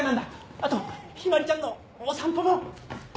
あとひまりちゃんのお散歩も。